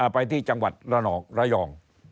ไปที่จังหวัดระยอง